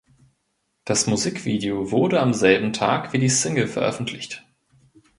Das Musikvideo wurde am selben Tag wie die Single veröffentlicht.